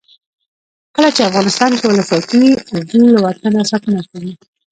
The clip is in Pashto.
کله چې افغانستان کې ولسواکي وي اردو له وطنه ساتنه کوي.